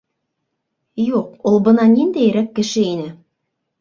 Юҡ, ул бына ниндәйерәк кеше ине?